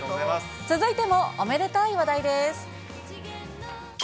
続いてもおめでたい話題です。